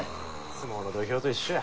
相撲の土俵と一緒や。